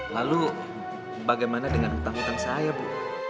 lalu bagaimana dengan hutang hutang saya bu